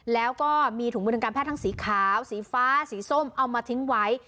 แล้วก็มีถุงมือทางการแพทย์ทั้งสีขาวสีฟ้าสีส้มเอามาทิ้งไว้